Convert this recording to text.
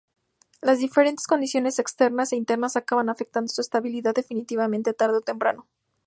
Las diferentes condiciones externas e internas acaban afectando su estabilidad definitivamente tarde o temprano.